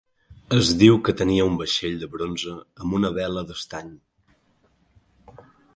Es diu que tenia un vaixell de bronze amb una vela d'estany.